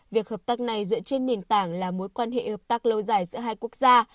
việc hợp tác này dựa trên nền tảng là mối quan hệ hợp tác lâu dài giữa hai quốc gia